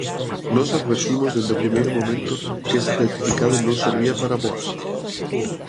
Nós advertimos dende o primeiro momento que ese certificado non servía para voar.